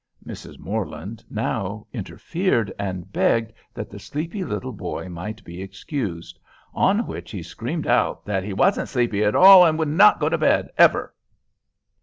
Mrs. Morland now interfered, and begged that the sleepy little boy might be excused; on which he screamed out that "he wasn't sleepy at all, and would not go to bed ever."